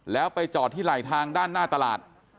แล้วไปจอดที่ไหลทางด้านหน้าตลาด